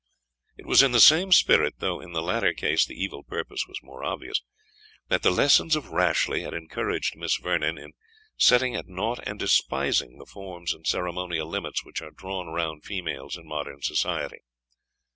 It was in the same spirit, though in the latter case the evil purpose was more obvious, that the lessons of Rashleigh had encouraged Miss Vernon in setting at nought and despising the forms and ceremonial limits which are drawn round females in modern society.